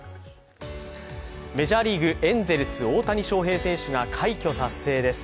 メジャーリーグ・エンゼルス・大谷翔平選手が快挙達成です。